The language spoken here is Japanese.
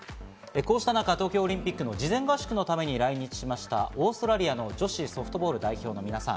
こうした中、東京オリンピックの事前合宿のために来日しました、オーストラリアの女子ソフトボール代表の皆さん。